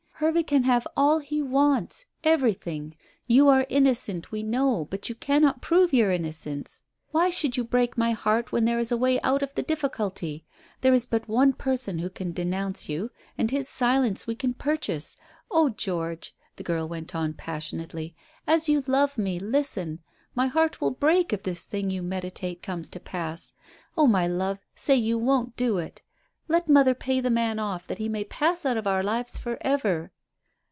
Hervey can have all he wants everything. You are innocent we know, but you cannot prove your innocence. Why should you break my heart when there is a way out of the difficulty? There is but one person who can denounce you, and his silence we can purchase. Oh, George," the girl went on passionately, "as you love me, listen. My heart will break if this thing you meditate comes to pass. Oh, my love, say you won't do it! Let mother pay the man off that he may pass out of our lives for ever.